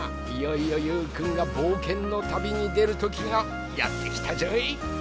いよいよゆうくんがぼうけんのたびにでるときがやってきたぞい。